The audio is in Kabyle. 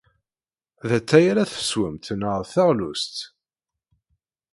D atay ara teswemt neɣ d taɣlust?